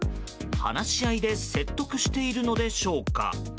話し合いで説得しているのでしょうか？